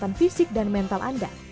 kesehatan fisik dan mental anda